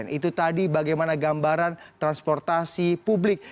itu tadi bagaimana gambaran transportasi publik